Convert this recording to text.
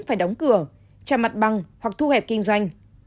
phải đóng cửa chăm mặt băng hoặc thu hẹp kinh doanh